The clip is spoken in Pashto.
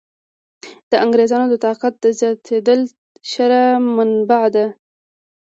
د انګرېزانو د طاقت زیاتېدل شر منبع ده.